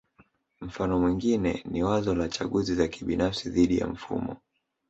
Mfano mwingine ni wazo la chaguzi za kibinafsi dhidi ya mfumo